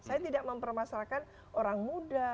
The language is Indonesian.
saya tidak mempermasalahkan orang muda